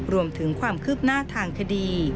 รวมถึงความคืบหน้าทางคดี